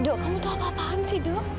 duk kamu tuh apa apaan sih duk